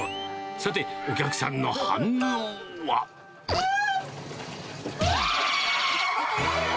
さて、お客さんの反応は。うわー！